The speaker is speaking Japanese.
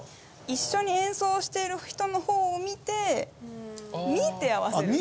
一緒に演奏している人の方を見て見て合わせる。